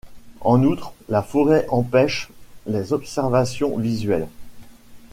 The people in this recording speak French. En outre, la forêt empêche les observations visuelles.